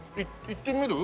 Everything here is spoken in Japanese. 行ってみる？